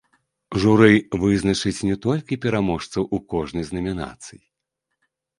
Журы вызначыць не толькі пераможцаў у кожнай з намінацый.